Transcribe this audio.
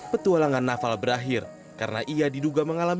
petualangan noval gurianto menempuh jarak lebih dari enam km